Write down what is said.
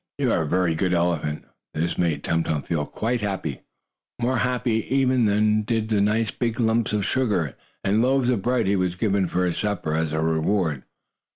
You are a very good elephant!" This made Tum Tum feel quite happy, more happy even than did the nice big lumps of sugar, and loaves of bread, he was given for his supper as a reward.